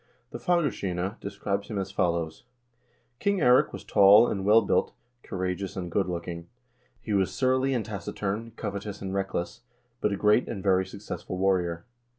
The "Fagrskinna" describes him as follows :" King Eirik was tall and well built, cour ageous and good looking. He was surly and taciturn, covetous and reckless, but a great and very successful warrior."